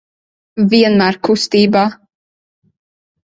Vienmēr kustībā.